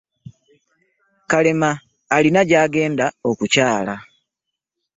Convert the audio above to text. Kalema alina gyagenda okukyala.